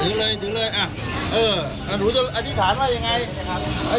ถือเลยถือเลยอ่ะดูจนอธิษฐานว่ายังไง